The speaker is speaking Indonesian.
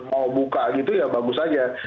mau buka gitu ya bagus aja